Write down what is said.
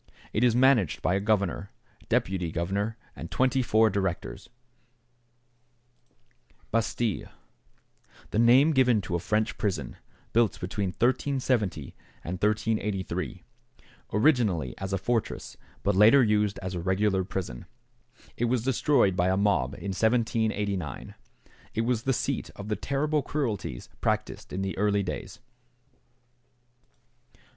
It is managed by a governor, deputy governor, and twenty four directors. =Bastile.= The name given to a French prison, built between 1370 and 1383, originally as a fortress, but later used as a regular prison. It was destroyed by a mob in 1789. It was the seat of the terrible cruelties practiced in the early days.